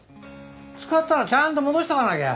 使ったらちゃんと戻しとかなきゃ。